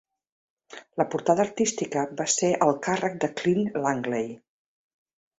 La portada artística va ser al càrrec de Clint Langley.